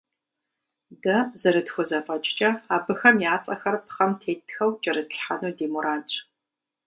Дэ зэрытхузэфӏэкӏкӏэ, абыхэм я цӏэхэр пхъэм теттхэу кӏэрытлъхьэну ди мурадщ.